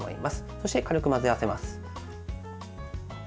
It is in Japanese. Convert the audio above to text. そして軽く混ぜ合わせます。